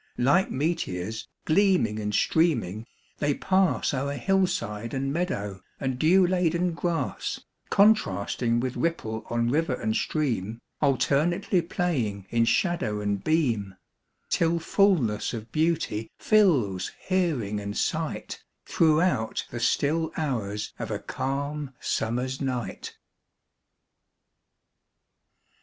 Like meteors, gleaming and streaming, they pass O'er hillside and meadow, and dew laden grass, Contrasting with ripple on river and stream, Alternately playing in shadow and beam, Till fullness of beauty fills hearing and sight Throughout the still hours of a calm summer's night.